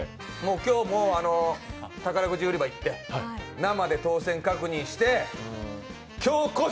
今日も宝くじ売り場行って、生で当せん確認して、今日こそ！